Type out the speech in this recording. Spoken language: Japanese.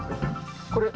これ？